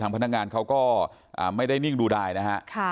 พนักงานเขาก็ไม่ได้นิ่งดูดายนะฮะ